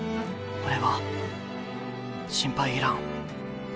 俺は心配いらん。